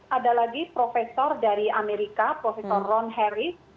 dua ribu enam belas ada lagi profesor dari amerika profesor ron harris